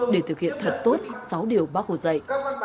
để thực hiện thật tốt sáu điều bác hồ dạy